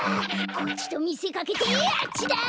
こっちとみせかけてあっちだ！